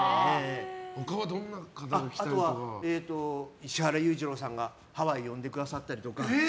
石原裕次郎さんがハワイに呼んでくださったりとか。